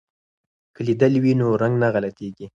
که لیدل وي نو رنګ نه غلطیږي.